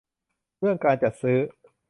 เรื่องการจัดซื้อ